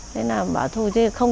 thế là bảo thôi